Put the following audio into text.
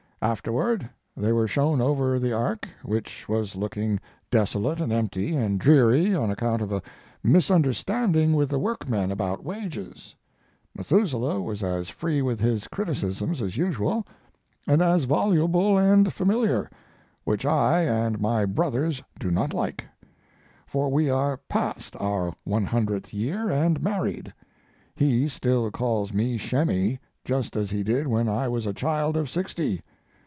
Afterward they were shown over the ark, which was looking desolate and empty and dreary on account of a misunderstanding with the workmen about wages. Methuselah was as free with his criticisms as usual, and as voluble and familiar, which I and my brothers do not like; for we are past our one hundredth year and married. He still calls me Shemmy, just as he did when I was a child of sixty.